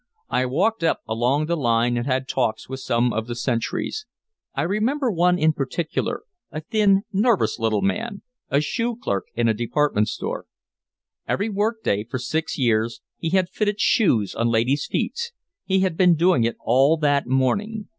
I walked up along the line and had talks with some of the sentries. I remember one in particular, a thin, nervous little man, a shoe clerk in a department store. Every work day for six years he had fitted shoes on ladies' feet; he had been doing it all that morning.